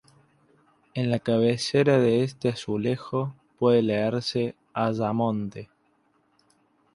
En la cabecera de este azulejo puede leerse: "Ayamonte.